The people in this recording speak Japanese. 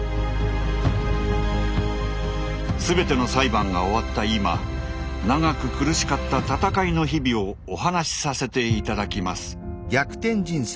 全ての裁判が終わった今長く苦しかった闘いの日々をお話しさせて頂きます。